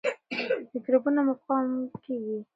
میکروبونه مقاوم کیږي.